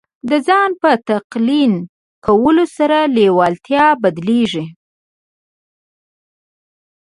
د ځان په تلقین کولو سره لېوالتیا بدلېږي